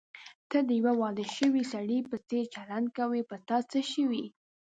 ته د یوه واده شوي سړي په څېر چلند کوې، په تا څه شوي؟